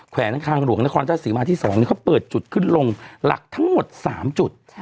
แขวงทางหลวงนครราชศรีมาที่๒เขาเปิดจุดขึ้นลงหลักทั้งหมด๓จุด